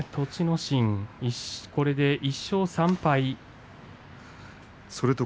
心はこれで１勝３敗です。